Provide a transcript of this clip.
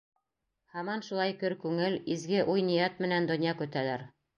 Һаман шулай көр күңел, изге уй-ниәт менән донъя көтәләр.